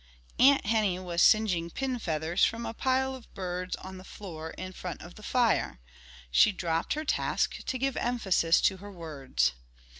Aunt Henny was singeing pin feathers from a pile of birds on the floor in front of the fire. She dropped her task to give emphasis to her words.